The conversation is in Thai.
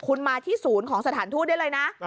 คุณมาที่ศูนย์ของสถานทูตได้เลยนะ